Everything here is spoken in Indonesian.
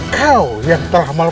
kau yang membuat aku marah